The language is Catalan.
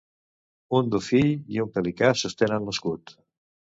Un dofí i un pelicà sostenen l'escut.